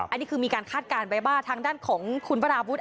อันนี้คือมีการคาดการณ์ไว้ว่าทางด้านของคุณวราวุฒิ